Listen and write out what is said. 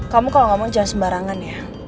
kamu kalo ngomong jangan sembarangan ya